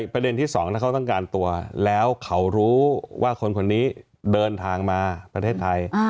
ประเด็นที่สองเขาต้องการตัวแล้วเขารู้ว่าคนคนนี้เดินทางมาประเทศไทย